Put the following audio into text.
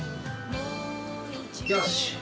よし！